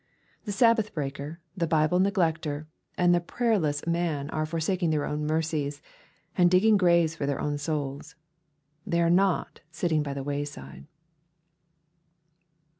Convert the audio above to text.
The Sab Dath breaker, the Bible neglecter, and the prayerless raan are forsaking their own mercies, and digging graves for their own souls. They are^not sitting '^ by the way side."